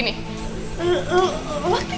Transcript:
kenapa yang lu ada di sini